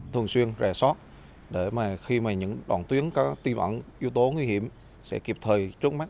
thường xuyên rè sót để khi mà những đoạn tuyến có tiêu ẩn yếu tố nguy hiểm sẽ kịp thời trước mắt